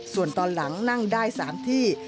ส่วนตอนหลังนั่งได้๓ที่